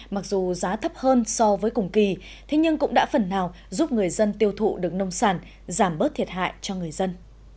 mặc dù giá thấp hơn so với cùng kỳ thế nhưng cũng đã phần nào giúp người dân tiêu thụ được nông sản giảm bớt thiệt hại cho người dân